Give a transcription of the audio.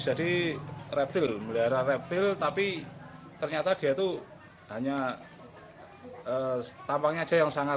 jadi reptil melihara reptil tapi ternyata dia itu hanya tampangnya aja yang sangar